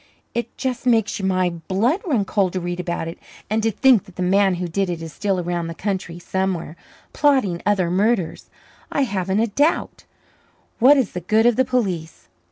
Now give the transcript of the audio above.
"It just makes my blood run cold to read about it. And to think that the man who did it is still around the country somewhere plotting other murders, I haven't a doubt. What is the good of the police?"